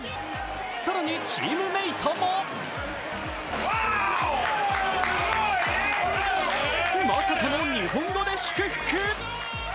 更に、チームメートもまさかの日本語で祝福。